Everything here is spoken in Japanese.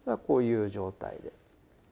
こういう状態で。